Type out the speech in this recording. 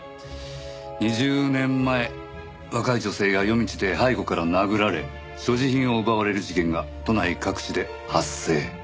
２０年前若い女性が夜道で背後から殴られ所持品を奪われる事件が都内各地で発生。